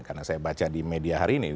karena saya baca di media hari ini